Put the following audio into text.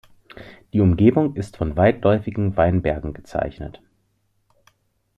Die Umgebung ist von weitläufigen Weinbergen gezeichnet.